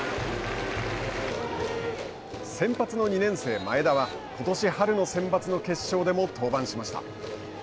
先発の２年生前田はことし春のセンバツの決勝でも登板しました。